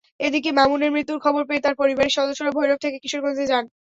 এদিকে মামুনের মৃত্যুর খবর পেয়ে তাঁর পরিবারের সদস্যরা ভৈরব থেকে কিশোরগঞ্জে যান।